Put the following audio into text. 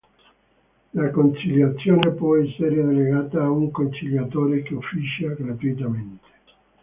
La conciliazione può essere delegata a un conciliatore che officia gratuitamente.